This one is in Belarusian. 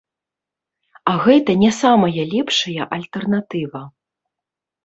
А гэта не самая лепшая альтэрнатыва.